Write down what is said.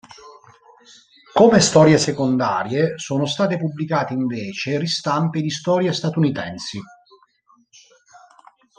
Come storie secondarie sono state pubblicate, invece, ristampe di storie statunitensi.